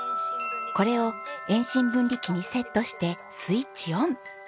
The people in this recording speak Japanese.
これを遠心分離機にセットしてスイッチオン！